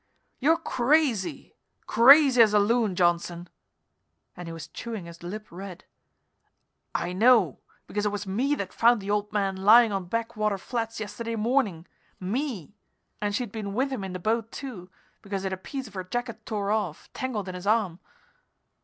"You're crazy! Crazy as a loon, Johnson!" And he was chewing his lip red. "I know, because it was me that found the old man laying on Back Water Flats yesterday morning me! And she'd been with him in the boat, too, because he had a piece of her jacket tore off, tangled in his arm."